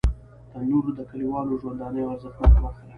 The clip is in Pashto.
تنور د کلیوالو ژوندانه یوه ارزښتناکه برخه ده